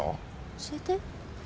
教えて。